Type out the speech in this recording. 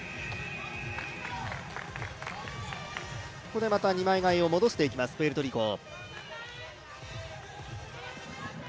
ここでまた二枚替えを戻していきます、プエルトリコ。